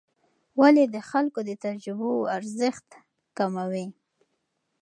ولې د خلکو د تجربو ارزښت مه کم کوې؟